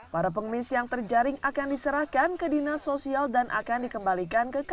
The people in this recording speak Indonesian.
para pengemis yang terjaring akan diserahkan ke dinas sosial dan akan dikembalikan ke kpk